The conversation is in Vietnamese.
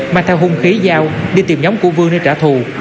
mang theo hung khí dao đi tìm nhóm của vương để trả thù